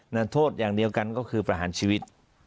นักโทษอย่างเดียวกันก็คือประหารชีวิต